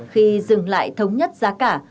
khi dừng lại thống nhất giá cả